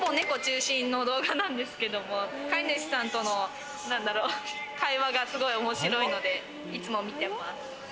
ほぼ猫中心の動画なんですけど、飼い主さんとの会話がすごい面白いので、いつも見てます。